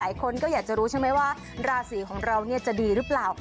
หลายคนก็อยากจะรู้ใช่ไหมว่าราศีของเราจะดีหรือเปล่า